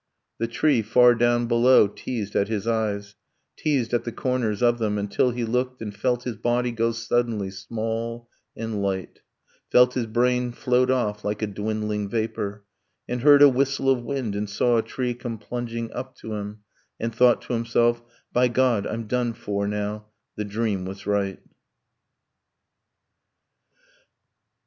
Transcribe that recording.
The tree, far down below, teased at his eyes, Teased at the corners of them, until he looked, And felt his body go suddenly small and light; Felt his brain float off like a dwindling vapor; And heard a whistle of wind, and saw a tree Come plunging up to him, and thought to himself, 'By God I'm done for now, the dream was right